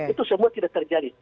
itu semua tidak terjadi